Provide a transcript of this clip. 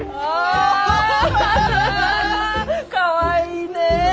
かわいいねえ！